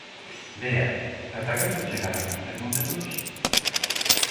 Bea, ata canto chegarán os termómetros?